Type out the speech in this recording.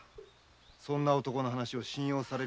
そんな男の話を信用されるとは。